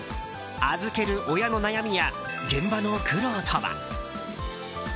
預ける親の悩みや現場の苦労とは？